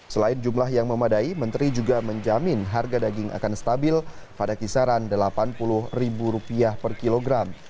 selain jumlah yang memadai menteri juga menjamin harga daging akan stabil pada kisaran rp delapan puluh per kilogram